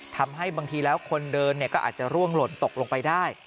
ทำให้บางทีแล้วคนเดินก็อาจจะร่วงหล่นตกลงไปได้